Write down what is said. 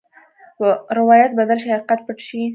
روایت بدل شي، حقیقت پټ شي.